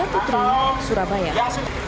latuh terima kasih